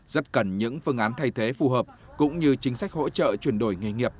rất cần những phương án thay thế phù hợp cũng như chính sách hỗ trợ chuyển đổi nghề nghiệp